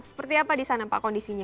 seperti apa di sana pak kondisinya